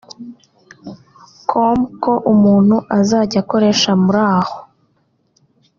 com ko umuntu uzajya akoresha Muraho